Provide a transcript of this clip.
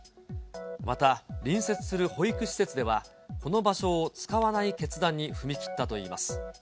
また、隣接する保育施設では、この場所を使わない決断に踏み切ったといいます。